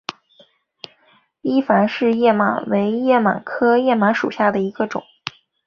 伊凡氏叶螨为叶螨科叶螨属下的一个种。